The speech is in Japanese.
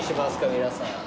皆さん。